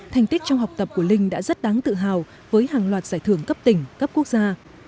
thành tích trong học tập của linh đã rất đáng tự hào với hàng loạt giải thưởng cấp tỉnh cấp quốc gia